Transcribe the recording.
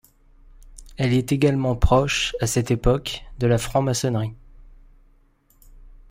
Elle est également proche, à cette époque, de la franc-maçonnerie.